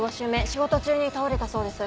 仕事中に倒れたそうです。